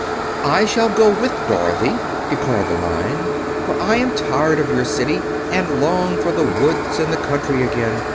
"I shall go with Dorothy," declared the Lion, "for I am tired of your city and long for the woods and the country again.